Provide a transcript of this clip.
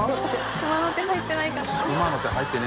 熊の手入ってないかな？